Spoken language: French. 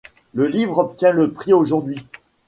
Le livre obtient le prix Aujourd'hui.